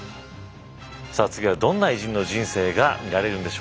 さあ次はどんな偉人の人生が見られるんでしょうか。